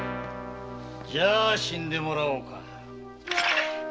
じゃ死んでもらおうか。